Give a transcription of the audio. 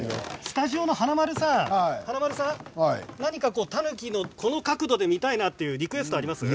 スタジオの華丸さん何かタヌキのこの角度で見たいというリクエストはありますか。